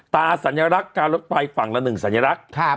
สัญลักษณ์การรถไฟฝั่งละหนึ่งสัญลักษณ์